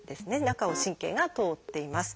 中を神経が通っています。